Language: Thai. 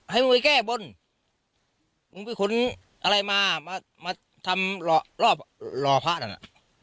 ให้บนอะไรมามามาทำรอพระนั่นน่ะ